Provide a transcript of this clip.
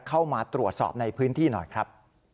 เข้ามาตรวจสอบในพื้นที่หน่อยครับ